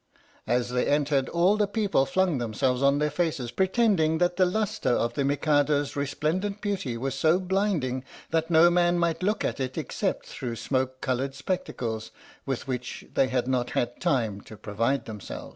As they entered, all the people flung themselves on their faces, pretending that the lustre of the Mikado's resplendent beauty was so blinding that no man might look at it except through smoke coloured spectacles, with which they had not had time to provide themselves.